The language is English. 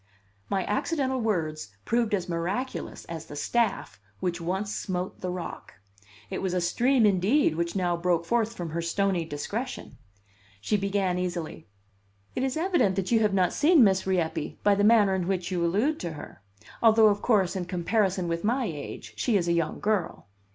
My accidental words proved as miraculous as the staff which once smote the rock. It was a stream, indeed, which now broke forth from her stony discretion. She began easily. "It is evident that you have not seen Miss Rieppe by the manner in which you allude to her although of course, in comparison with my age, she is a young girl."